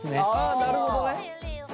あなるほどね。